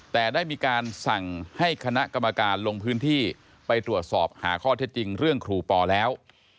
แต่ได้มีการสั่งให้คณะกรรมการลงพื้นที่ไปตรวจสอบหาข้อเท็จจริงเรื่องครูปอแล้ว